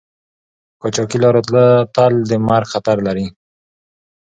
په قاچاقي لارو تل د مرګ خطر لری